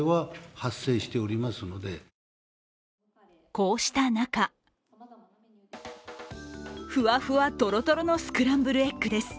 こうした中ふわふわとろとろのスクランブルエッグです。